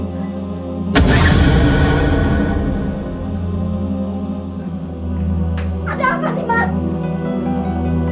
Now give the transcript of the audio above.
ada apa sih mas